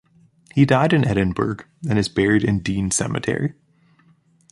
He died in Edinburgh, and is buried in Dean Cemetery.